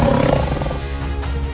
dari mana saja